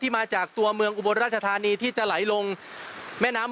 มาจากตัวเมืองอุบลราชธานีที่จะไหลลงแม่น้ำ